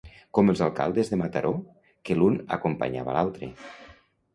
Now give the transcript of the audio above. Com els alcaldes de Mataró, que l'un acompanyava l'altre.